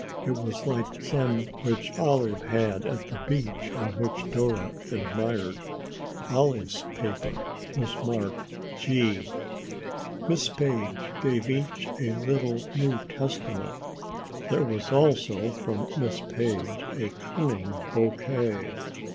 It was like some which Olive had at the beach and which Dora admired. Olive's paper was marked G. Miss Page gave each a little New Testament. There was also from Miss Page a cunning bouquet.